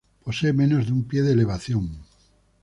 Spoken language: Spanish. Posee menos de un pie de elevación.